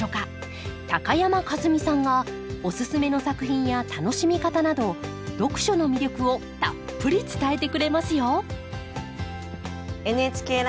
高山一実さんがおススメの作品や楽しみ方など読書の魅力をたっぷり伝えてくれますよ